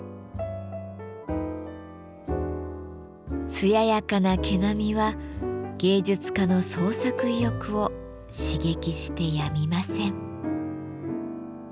艶やかな毛並みは芸術家の創作意欲を刺激してやみません。